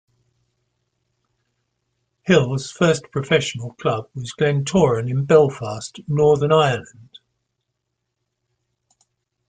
Hill's first professional club was Glentoran in Belfast, Northern Ireland.